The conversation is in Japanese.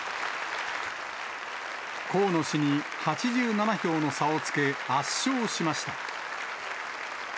河野氏に８７票の差をつけ、圧勝しました。